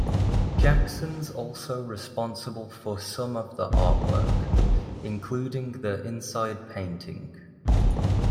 Jackson's also responsible for some of the artwork, including the inside painting.